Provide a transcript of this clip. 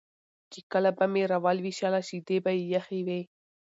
چې کله به مې راولوشله شیدې به یې یخې وې